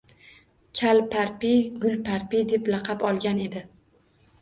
Kal Parpi, Gul Parpi deb lakab olgan edi.